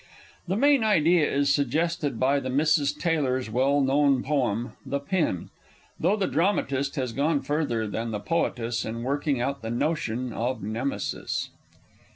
The main idea is suggested by the Misses Taylor's well known poem, The Pin, though the dramatist has gone further than the poetess in working out the notion of Nemesis.